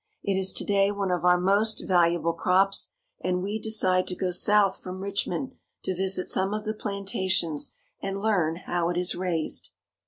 It is to day one of our most valuable crops, and we decide to go south from Richmond to visit some of the plantations and learn how it is raised.